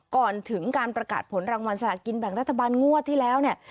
ก่อนถึงการประกาศผลรางวัลสละกินแบ่งรัฐบาลงวดที่แล้วเนี่ย